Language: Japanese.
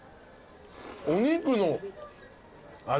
お肉の味